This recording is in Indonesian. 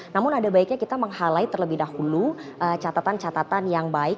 namun ada baiknya kita menghalai terlebih dahulu catatan catatan yang baik